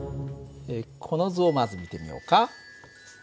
この図をまず見てみようか。